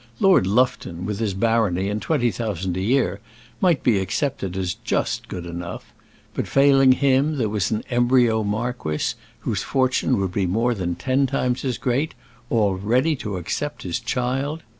Lord Lufton, with his barony and twenty thousand a year, might be accepted as just good enough; but failing him there was an embryo marquis, whose fortune would be more than ten times as great, all ready to accept his child!